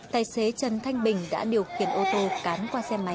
tài xế trần thanh bình đã điều khiển ô tô cán qua xe máy